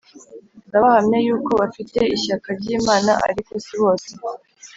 Ndabahamya yuko bafite ishyaka ry Imana ariko si bose